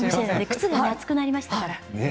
靴が厚くなりましたから。